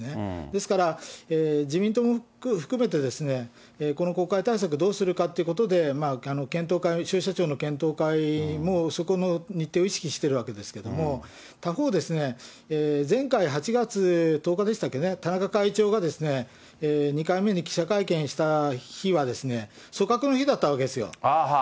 ですから自民党も含めて、この国会対策どうするかっていうことで、検討会、消費者庁の検討会も、そこの日程を意識してるわけですけれども、他方ですね、前回、８月１０日でしたっけね、田中会長が２回目に記者会見した日はですね、組閣の日だったわけですよ。